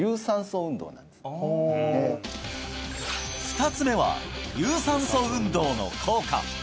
２つ目は有酸素運動の効果